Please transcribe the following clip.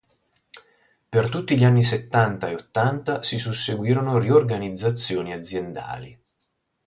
Per tutti gli anni settanta e ottanta si susseguirono riorganizzazioni aziendali.